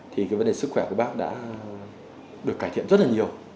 thì vấn đề sức khỏe của bác đã được cải thiện rất nhiều